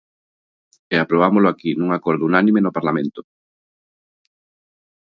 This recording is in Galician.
E aprobámolo aquí nun acordo unánime no Parlamento.